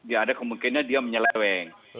dia ada kemungkinan dia menyeleweng